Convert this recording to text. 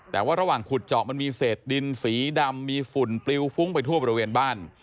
แต่ว่าระหว่างขุดเจาะมันมีเศษดินสีดำมีฝุ่นปลิวฟุ้งไปทั่วบริเวณบ้าน